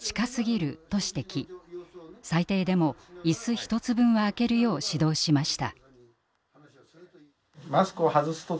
最低でも椅子１つ分はあけるよう指導しました。